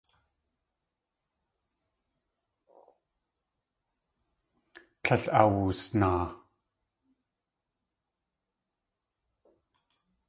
Tlél awusnaa.